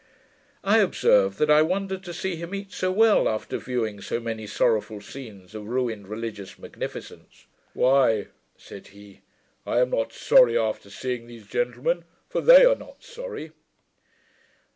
I observed, that I wondered to see him eat so well, after viewing so many sorrowful scenes of ruined religious magnificence. 'Why,' said he, 'I am not sorry, after seeing these gentlemen; for they are not sorry.'